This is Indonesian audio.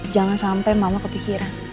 jangan sampai mama kepikiran